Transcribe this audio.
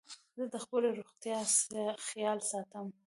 زه د خپلي روغتیا خیال ساتم.